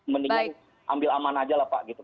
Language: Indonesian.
mendingan ambil aman aja lah pak gitu